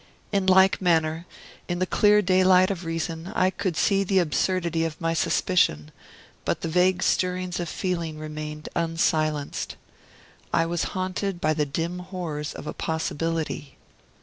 In like manner, in the clear daylight of reason I could see the absurdity of my suspicion, but the vague stirrings of feeling remained unsilenced. I was haunted by the dim horrors of a possibility.